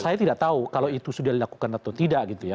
saya tidak tahu kalau itu sudah dilakukan atau tidak gitu ya